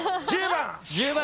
１０番！